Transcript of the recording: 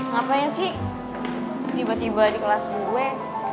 ngapain sih tiba tiba di kelas gue